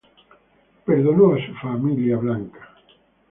Perdonó a su familia blanca.